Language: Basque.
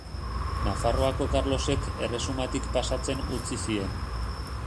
Nafarroako Karlosek erresumatik pasatzen utzi zien.